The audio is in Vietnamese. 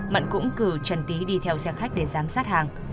mận cũng cử trần tý đi theo xe khách để giám sát hàng